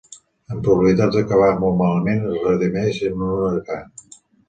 Amb probabilitats d'acabar molt malament, es redimeix en un huracà.